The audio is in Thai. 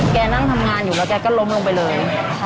แกนั่งทำงานอยู่แล้วแกก็ล้มลงไปเลย